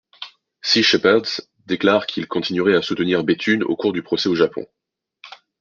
Sea Shepherd déclare qu'il continuerait à soutenir Bethune au cours du procès au Japon.